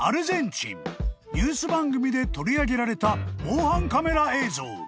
［ニュース番組で取り上げられた防犯カメラ映像］